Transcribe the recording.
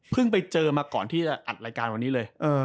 ไปเจอมาก่อนที่จะอัดรายการวันนี้เลย